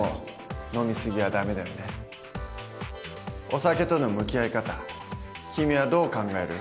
お酒との向き合い方君はどう考える？